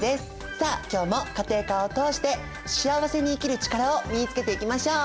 さあ今日も家庭科を通して幸せに生きる力を身につけていきましょう！